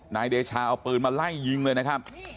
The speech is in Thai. นายเดชาเอาปืนมาไล่ยิงเลยนะครับ